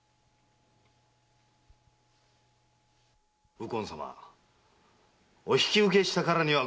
右近様お引き受けしたからにはご心配はかけません。